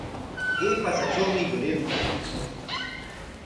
Kay patsatrawmi yurirqaa.